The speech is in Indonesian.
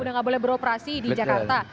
udah nggak boleh beroperasi di jakarta